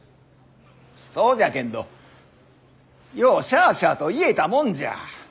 そうじゃけんどようしゃあしゃあと言えたもんじゃ。